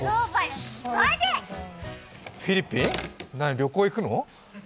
旅行行くの？